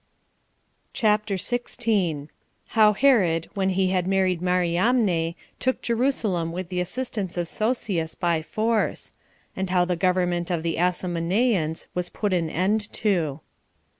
CHAPTER 16. How Herod, When He Had Married Mariamne Took Jerusalem With The Assistance Of Sosius By Force; And How The Government Of The Asamoneans Was Put An End To.